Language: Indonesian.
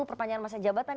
perpanjangan masa jabatan